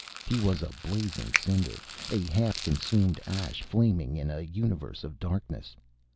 He was a blazing cinder, a half consumed ash flaming in a universe of darkness.